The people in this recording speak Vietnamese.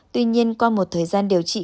tuy nhiên qua một thời gian điều trị